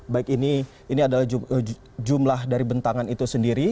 baik ini adalah jumlah dari bentangan itu sendiri